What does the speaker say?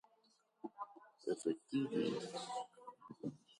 Efektive ni faru.